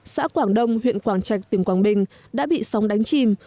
xã quảng đông huyện quảng trạch tỉnh quảng bình đã bị sóng đánh chìm